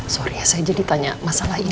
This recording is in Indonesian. sorry ya saya jadi tanya masalah ini